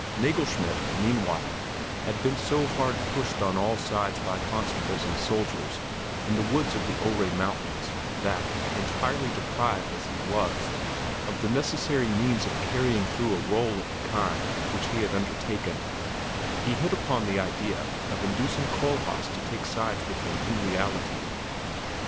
Nagelschmidt, meanwhile, had been so hard pushed on all sides by constables and soldiers in the woods of the Ore Mountains, that, entirely deprived, as he was, of the necessary means of carrying through a rôle of the kind which he had undertaken, he hit upon the idea of inducing Kohlhaas to take sides with him in reality.